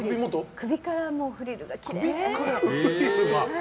首からフリルがきれいに。